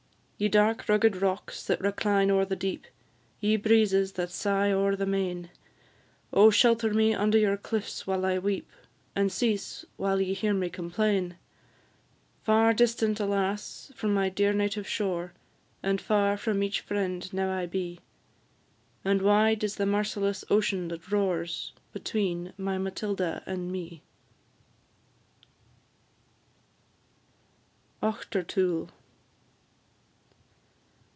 Ye dark rugged rocks, that recline o'er the deep; Ye breezes, that sigh o'er the main Oh, shelter me under your cliffs while I weep, And cease while ye hear me complain! Far distant, alas! from my dear native shore, And far from each friend now I be; And wide is the merciless ocean that roars Between my Matilda and me. AUCHTERTOOL.